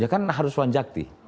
ya kan harus wanjakti